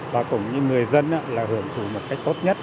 và cũng như người dân là hưởng thủ một cách tốt nhất